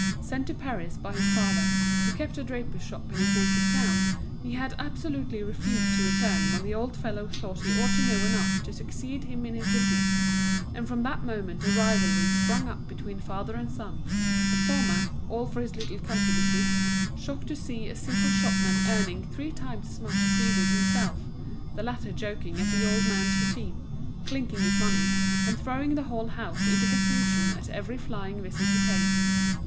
Sent to Paris by his father, who kept a draper's shop in his native town, he had absolutely refused to return when the old fellow thought he ought to know enough to succeed him in his business; and from that moment a rivalry sprung up between father and son, the former, all for his little country business, shocked to see a simple shopman earning three times as much as he did himself, the latter joking at the old man's routine, chinking his money, and throwing the whole house into confusion at every flying visit he paid.